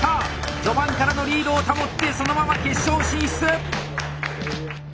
序盤からのリードを保ってそのまま決勝進出！